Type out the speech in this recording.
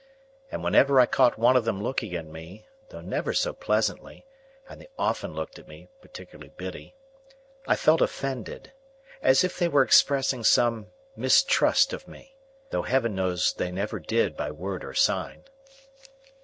And whenever I caught one of them looking at me, though never so pleasantly (and they often looked at me,—particularly Biddy), I felt offended: as if they were expressing some mistrust of me. Though Heaven knows they never did by word or sign.